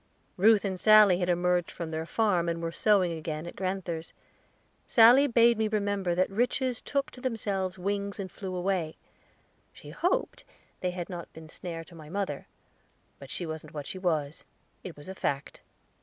Ruth and Sally had emerged from their farm, and were sewing again at grand'ther's. Sally bade me remember that riches took to themselves wings and flew away; she hoped they had not been a snare to my mother; but she wasn't what she was, it was a fact.